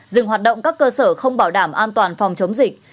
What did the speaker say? dừng hoạt động các cơ sở không bảo đảm an toàn phòng chống dịch